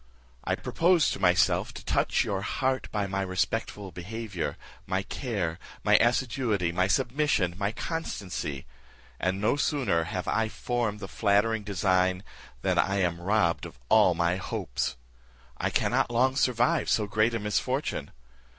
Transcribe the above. I proposed to myself to touch your heart by my respectful behaviour, my care, my assiduity, my submission, my constancy; and no sooner have I formed the flattering design, than I am robbed of all my hopes. I cannot long survive so great a misfortune.